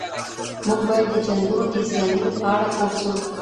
موږ باید د جنګونو د زیانونو په اړه پوه سو.